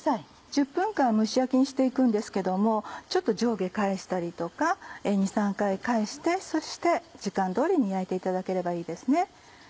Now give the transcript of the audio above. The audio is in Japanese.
１０分間蒸し焼きにしていくんですけどもちょっと上下返したりとか２３回返してそして時間通りに焼いていただければいいですね。